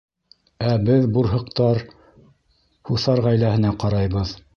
Ә беҙ, бурһыҡтар, һуҫар ғаиләһенә ҡарайбыҙ.